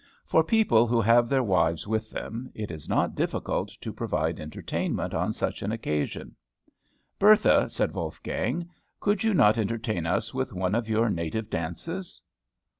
For people who have their wives with them, it is not difficult to provide entertainment on such an occasion. "Bertha," said Wolfgang, "could you not entertain us with one of your native dances?"